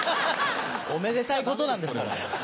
おめでたいことなんですから。